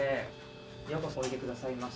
ようこそおいで下さいました。